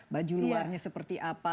baju luarnya seperti apa